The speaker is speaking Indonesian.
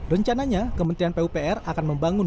rencananya kementerian pupr akan membangun